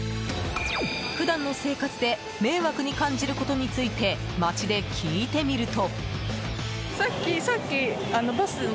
普段の生活で迷惑に感じることについて街で聞いてみると。